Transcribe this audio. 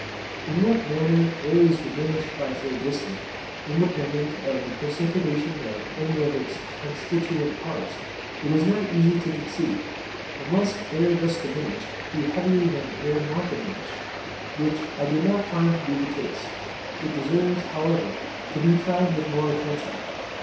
In what manner air is diminished by phlogiston, independent of the precipitation of any of its constituent parts, is not easy to conceive; unless air thus diminished be heavier than air not diminished, which I did not find to be the case. It deserves, however, to be tried with more attention.